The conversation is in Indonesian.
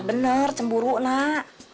benar cemburu nak